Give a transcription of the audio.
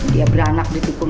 dia beranak ditipu